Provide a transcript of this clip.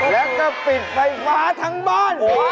แล้วก็ปิดไฟฟ้าทั้งบ้าน